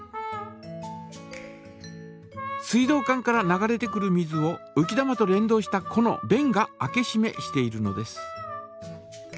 水道管から流れてくる水をうき玉と連動したこのべんが開けしめしているのです。